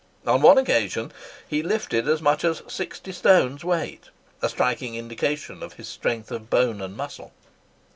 On one occasion he lifted as much as sixty stones weight—a striking indication of his strength of bone and muscle.